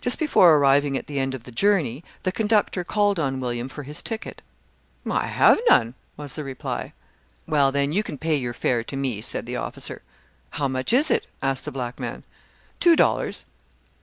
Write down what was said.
Just before arriving at the end of the journey, the conductor called on William for his ticket. "I have none," was the reply. "Well, then, you can pay your fare to me," said the officer. "How much is it?" asked the black man. "Two dollars."